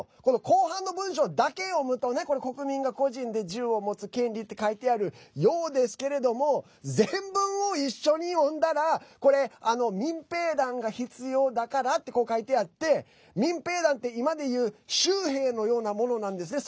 後半の文章だけ読むとね国民が個人で銃を持つ権利って書いてあるようですけれども全文を一緒に読んだら民兵団が必要だからって書いてあって民兵団って今でいう州兵のようなものなんですね。